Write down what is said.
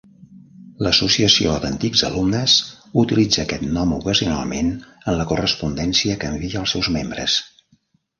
L'associació d'antics alumnes utilitza aquest nom ocasionalment en la correspondència que envia als seus membres.